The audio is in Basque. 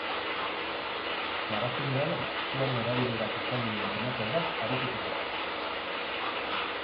Magazinean, suaren erabilerak izan duen bilakaeraz arituko gara.